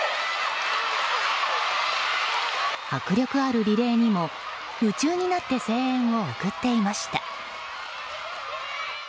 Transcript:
迫力あるリレーにも夢中になって声援を送っていました。